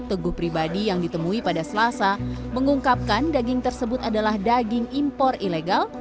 teguh pribadi yang ditemui pada selasa mengungkapkan daging tersebut adalah daging impor ilegal